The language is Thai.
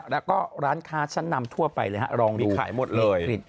แล้วก็ร้านค้าชั้นนำทั่วไปเลยฮะรองนี้ขายหมดเลย